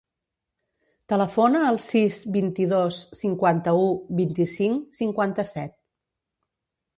Telefona al sis, vint-i-dos, cinquanta-u, vint-i-cinc, cinquanta-set.